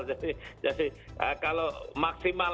jadi kalau maksimal